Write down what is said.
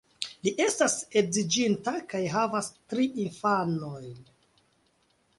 Li estas edziĝinta kaj havas tri infanojn.